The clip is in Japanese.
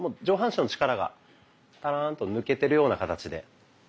上半身の力がたらんと抜けてるような形で。